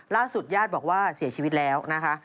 ล่าสุดญาติบอกว่าเสียชีวิตแล้วนะคะ